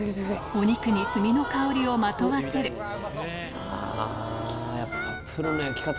お肉に炭の香りをまとわせるあぁやっぱ。